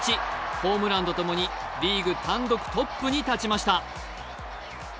ホームランとともにリーグ単独トップに立ちました。